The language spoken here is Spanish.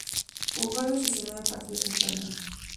Jugó los diecinueve partidos del torneo.